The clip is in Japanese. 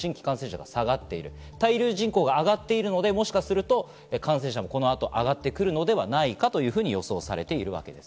下がっている、滞留人口が上がっているので、もしかすると感染者もこの後、上がってくるのではないかと予想されているわけです。